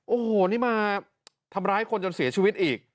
โอ้โหนี่มาทำร้ายคนจนเสียชีวิตอีก